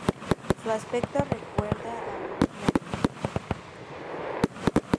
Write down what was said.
Su aspecto recuerda a un Clarinete.